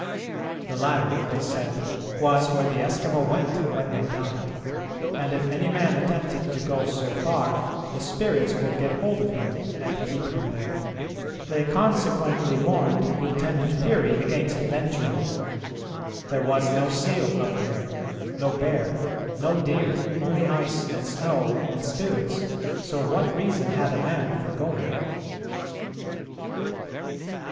The latter, they said, was where the Eskimo went when they died, and if any man attempted to go so far the spirits would get hold of him and keep him there. They consequently warned Lieutenant Peary against venturing. There was no seal up there; no bear; no deer; only ice and snow and spirits, so what reason had a man for going?